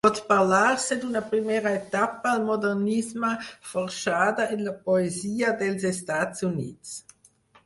Pot parlar-se d'una primera etapa al modernisme forjada en la poesia dels Estats Units.